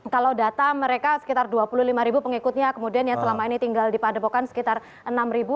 kalau data mereka sekitar dua puluh lima ribu pengikutnya kemudian yang selama ini tinggal di padepokan sekitar enam ribu